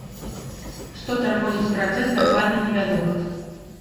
Што тармозіць працэс, дакладна невядома.